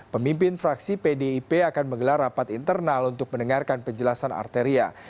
pemimpin fraksi pdip akan menggelar rapat internal untuk mendengarkan penjelasan arteria